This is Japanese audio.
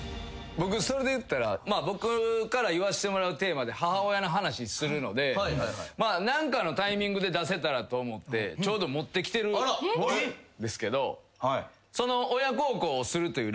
僕それで言ったら僕から言わしてもらうテーマで母親の話するので何かのタイミングで出せたらと思ってちょうど持ってきてるんですけど。